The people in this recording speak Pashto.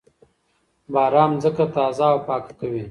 باران ځمکه تازه او پاکه کوي.